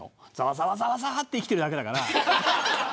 ざわざわって生きてるだけ。